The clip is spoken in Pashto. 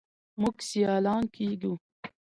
موږ سیالان کیږو.